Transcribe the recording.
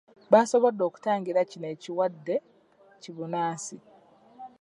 Basobodde okutangira kino ekiwadde ki bbunansi